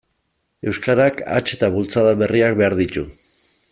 Euskarak hats eta bultzada berriak behar ditu.